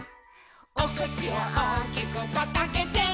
「おくちをおおきくパッとあけて」